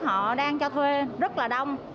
họ đang cho thuê rất là đông